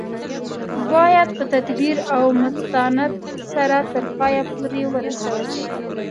باید په تدبیر او متانت سره تر پایه پورې ورسول شي.